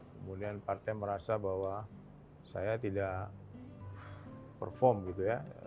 kemudian partai merasa bahwa saya tidak perform gitu ya